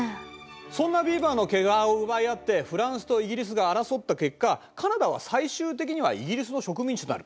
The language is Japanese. そんなビーバーの毛皮を奪い合ってフランスとイギリスが争った結果カナダは最終的にはイギリスの植民地となる。